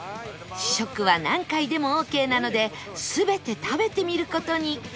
試食は何回でもオーケーなので全て食べてみる事に